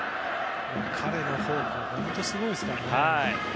彼のフォークは本当にすごいですからね。